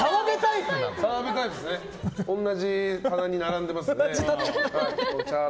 同じ棚に並んでますね。